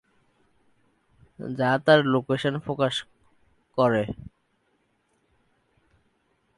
যা তার লোকেশন প্রকাশ করে।